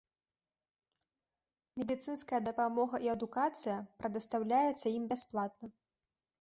Медыцынская дапамога і адукацыя прадастаўляецца ім бясплатна.